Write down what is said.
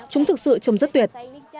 chúng thực sự trông rất tuyệt